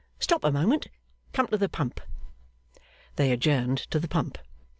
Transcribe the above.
'Stop a moment. Come to the pump.' They adjourned to the pump.